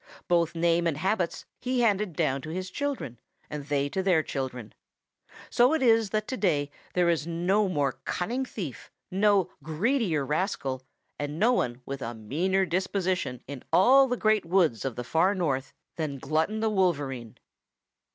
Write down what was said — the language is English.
Both name and habits he handed down to his children and they to their children. So it is that today there is no more cunning thief, no greedier rascal, and no one with a meaner disposition in all the Great Woods of the Far North than Glutton the Wolverine."